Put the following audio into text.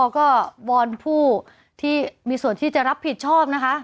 ก็วอนผู้ที่มีส่วนที่จะรับผิดชอบนะคะ